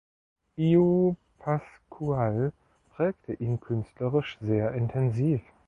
Iu Pascual prägte ihn künstlerisch sehr intensiv.